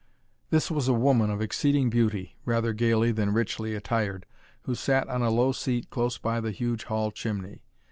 This was a woman of exceeding beauty, rather gaily than richly attired, who sat on a low seat close by the huge hall chimney.